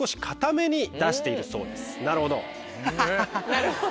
なるほど。